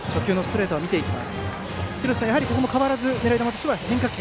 廣瀬さん、ここも変わらず狙い球としては変化球？